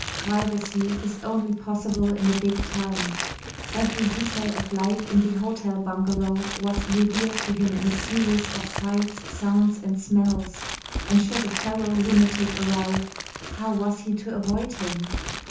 Privacy is only possible in a big town. Every detail of life in the Hotel Bungalow was revealed to him in a series of sights, sounds and smells. And should a fellow lunatic arrive, how was he to avoid him?